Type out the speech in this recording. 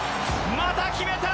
また決めた！